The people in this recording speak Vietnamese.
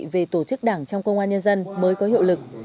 về tổ chức đảng trong công an nhân dân mới có hiệu lực